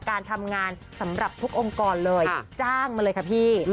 การทำงานสำหรับทุกองค์กรเลยจ้างมาเลยค่ะพี่